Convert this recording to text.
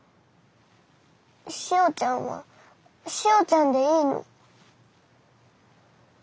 しおちゃんはしおちゃんでいいの。